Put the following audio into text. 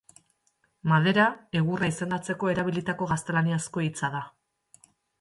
Madera egurra izendatzeko erabilitako gaztelaniazko hitza da.